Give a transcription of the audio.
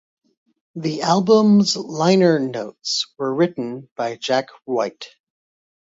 The album's liner notes were written by Jack White.